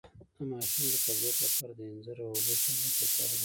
د ماشوم د قبضیت لپاره د انځر او اوبو شربت وکاروئ